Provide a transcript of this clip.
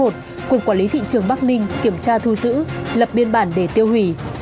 cục quản lý thị trường bắc ninh kiểm tra thu giữ lập biên bản để tiêu hủy